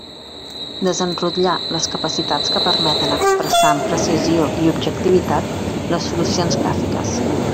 Desenrotllar les capacitats que permeten expressar amb precisió i objectivitat les solucions gràfiques.